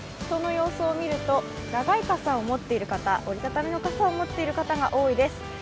人の様子を見ると長い傘を持っている方折り畳みの傘を持っている方が多いです。